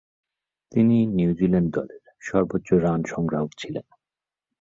তিনি নিউজিল্যান্ড দলের সর্বোচ্চ রান সংগ্রাহক ছিলেন।